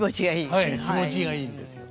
はい気持ちがいいんですよ。